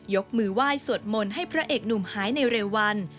ยกมือไหว้สวดมนต์ให้พระเอกหนุ่มหายในเร็ววัน